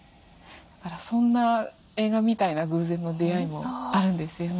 だからそんな映画みたいな偶然の出会いもあるんですよね。